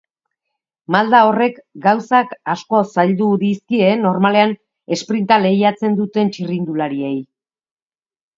Malda horrek gauzak asko zaildu dizkie normalean esprinta lehiatzen duten txirrindulariei.